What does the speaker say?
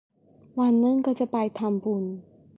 วันหนึ่งก็จะไปทำบุญ